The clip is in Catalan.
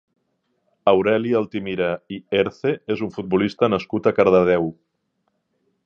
Aureli Altimira i Herce és un futbolista nascut a Cardedeu.